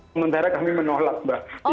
sementara kami menolak the